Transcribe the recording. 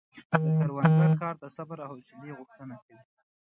د کروندګر کار د صبر او حوصلې غوښتنه کوي.